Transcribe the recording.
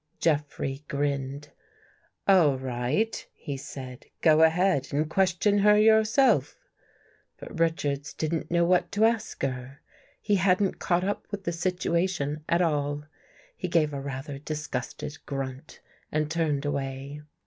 Jeffrey grinned. " All right," he said, " go ahead and question her yourself." But Richards didn't know what to ask her. He hadn't caught up with the situation at all. He gave a rather disgusted grunt and turned away.